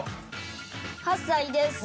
８歳です。